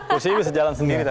kursinya bisa jalan sendiri